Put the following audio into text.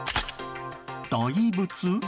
大仏？